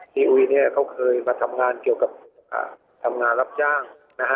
ที่อุยเขาเคยมาทำงานเกี่ยวกับทำงานรับจ้าง